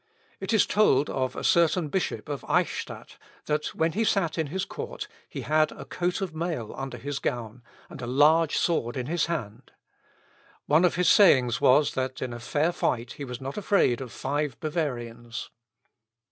It is told of a certain bishop of Eichstadt, that when he sat in his court, he had a coat of mail under his gown, and a large sword in his hand. One of his sayings was, that in fair fight he was not afraid of five Bavarians.